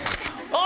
あ！